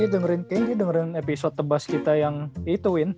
iya kayaknya dia dengerin episode tebas kita yang itu win